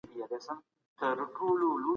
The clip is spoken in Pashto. هيڅوک بايد له خپل حقه محروم نسي.